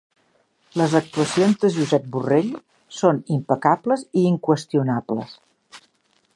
Les actuacions de Josep Borrell són impecables i inqüestionables